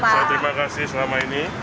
saya terimakasih selama ini